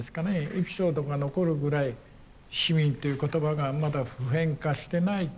エピソードが残るぐらい市民っていう言葉がまだ普遍化してない。